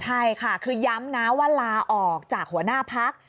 ใช่ค่ะคือย้ำนะว่าลาออกจากหัวหน้าพัก